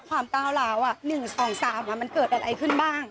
ก้าวร้าว๑๒๓มันเกิดอะไรขึ้นบ้าง